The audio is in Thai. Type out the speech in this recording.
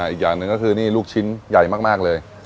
อีกอย่างหนึ่งก็คือนี่ลูกชิ้นใหญ่มากเลย